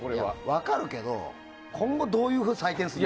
分かるけど今後、どういう採点するの？